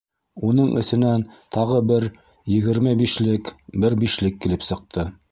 Уның эсенән тағы бер егерме бишлек, бер бишлек килеп сыҡты.